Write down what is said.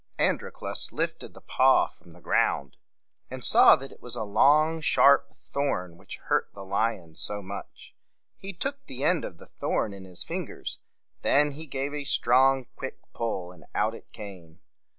Androclus lifted the paw from the ground, and saw that it was a long, sharp thorn which hurt the lion so much. He took the end of the thorn in his fingers; then he gave a strong, quick pull, and out it came.